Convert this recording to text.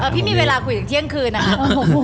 พี่มีเวลาคุยถึงเที่ยงคืนนะคะ